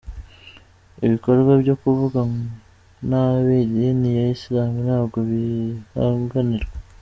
Ibikorwa byo kuvuga nabi idini ya Isilamu ntabwo byihanganirwa.